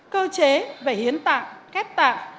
cơ chế về hiến tạng khép tạng